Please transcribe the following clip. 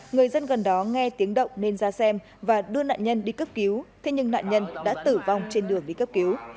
người dân gần đó nghe tiếng động nên ra xem và đưa nạn nhân đi cấp cứu thế nhưng nạn nhân đã tử vong trên đường đi cấp cứu